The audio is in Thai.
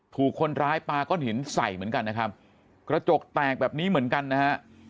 ถูกคนร้ายปาก้อนหินใส่เหมือนกันนะครับกระจกแตกแบบนี้เหมือนกันนะฮะ